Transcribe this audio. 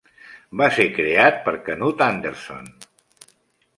Va ser creat per Canute Anderson.